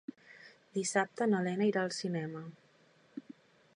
Dissabte na Lena irà al cinema.